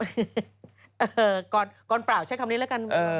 ก่อนเปล่าใช้คำนี้แล้วกัน